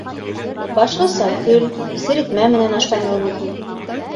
Башлыса көл, серетмә менән ашланыуы мөһим.